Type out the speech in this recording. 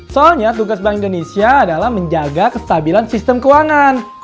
soalnya tugas bank indonesia adalah menjaga kestabilan sistem keuangan